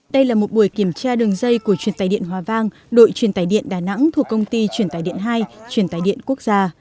đây là một buổi kiểm tra đường dây của truyền tài điện hòa vang đội truyền tài điện đà nẵng thuộc công ty truyền tài điện hai truyền tài điện quốc gia